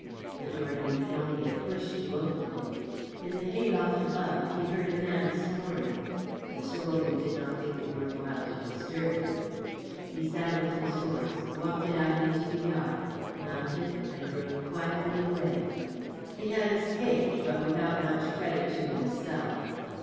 The door needed only a push to open it. In the hay loft above he heard a man snoring. Mr. Wogan did not think it worth while to disturb him. He saddled his horse, walked it out into the yard, mounted, and rode quietly away. He had escaped, but without much credit to himself.